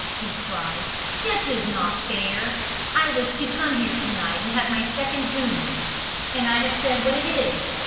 he cried, "this is not fair. I was to come here to night and have my second boon and I have said what it is.